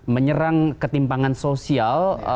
menyerang ketimpangan sosial